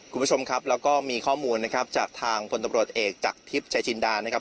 คุณผู้ชมครับแล้วก็มีข้อมูลนะครับจากทางพลตำรวจเอกจากทิพย์ชายจินดานะครับ